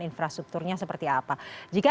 infrastrukturnya seperti apa jika